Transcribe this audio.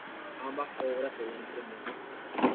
Ambas obras serían premiadas.